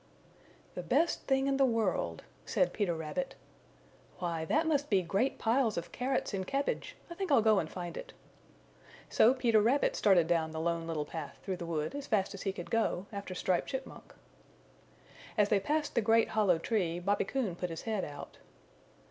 "The Best Thing in the World," said Peter Rabbit. "Why, that must be great piles of carrots and cabbage! I think I'll go and find it." So Peter Rabbit started down the Lone Little Path through the wood as fast as he could go after Striped Chipmunk. As they passed the great hollow tree Bobby Coon put his head out.